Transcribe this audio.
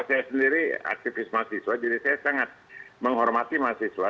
saya sendiri aktivis mahasiswa jadi saya sangat menghormati mahasiswa